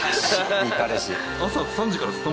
いい彼氏。